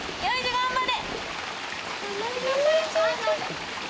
頑張れ。